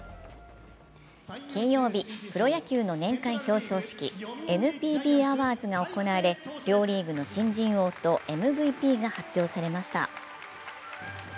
金曜日、プロ野球の年間表彰式、ＮＰＢアワーズが行われ両リーグの新人王とＭＶＰが発表されました。